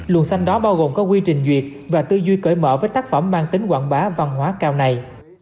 luồng xanh đó bao gồm có quy trình duyệt và tư duy cởi mở với tác phẩm mang tính quảng bá văn hóa cao này